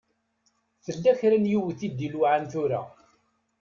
Tella kra n yiwet i d-iluɛan tura.